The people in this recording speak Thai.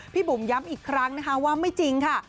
พี่บุ๋มย้ำอีกครั้งว่าไม่จริงค่ะ